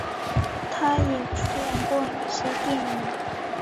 他也出演过一些电影。